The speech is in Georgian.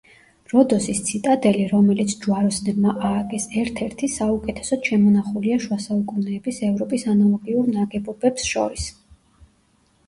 როდოსის ციტადელი, რომელიც ჯვაროსნებმა ააგეს, ერთ-ერთი საუკეთესოდ შემონახულია შუა საუკუნეების ევროპის ანალოგიურ ნაგებობებს შორის.